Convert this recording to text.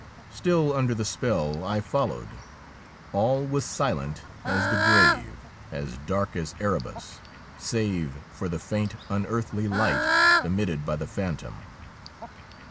Still under the spell I followed. All was silent as the grave, as dark as Erebus, save for the faint, unearthly light emitted by the pbantom.